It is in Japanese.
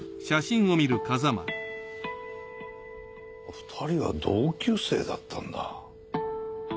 ２人は同級生だったんだ。